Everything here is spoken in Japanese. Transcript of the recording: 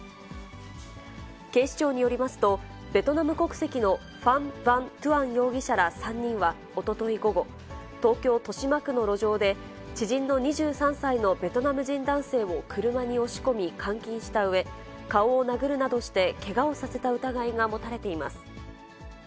警視庁によりますと、ベトナム国籍のファン・ヴァン・トゥアン容疑者ら３人は、おととい午後、東京・豊島区の路上で、知人の２３歳のベトナム人男性を車に押し込み監禁したうえ、顔を殴るなどしてけがをさせた疑いが持たれています。